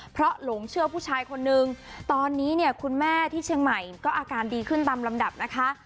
เพราะหลงเชื้อผู้ชายคนนึงตอนนี้คุณแม่ก็อาการดีขึ้นต่ำลำดับนะคะ